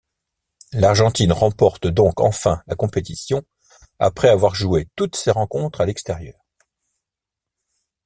L'Argentine remporte donc enfin la compétition, après avoir joué toutes ses rencontres à l'extérieur.